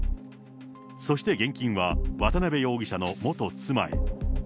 そして現金は、渡辺容疑者の元妻へ。